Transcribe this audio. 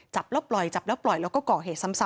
จับแล้วปล่อยแล้วก็ก่อเหตุซ้ำ